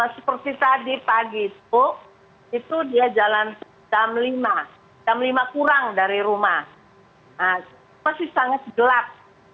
seperti tadi pagi itu itu dia jalan jam lima jam lima kurang dari rumah masih sangat gelap